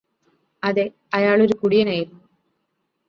അതെ അയാളൊരു കുടിയനായിരുന്നു